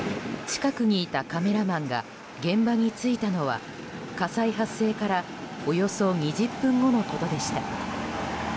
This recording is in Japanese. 近くにいたカメラマンが現場に着いたのは火災発生からおよそ２０分後のことでした。